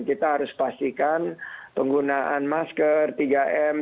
kita harus pastikan penggunaan masker tiga m